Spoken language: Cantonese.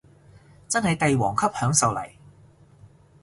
真係帝王級享受嚟